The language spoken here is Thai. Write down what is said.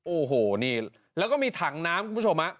โอ้โหนี่แล้วก็มีถังน้ำคุณผู้ชม